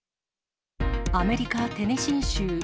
アメリカ・テネシー州。